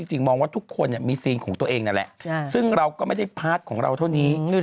มองว่าทุกคนมีซีนของตัวเองนั่นแหละซึ่งเราก็ไม่ได้พาร์ทของเราเท่านี้